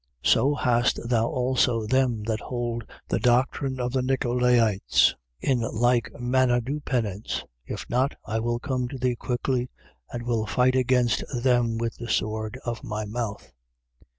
2:15. So hast thou also them that hold the doctrine of the Nicolaites. 2:16. In like manner do penance. If not, I will come to thee quickly and will fight against them with the sword of my mouth.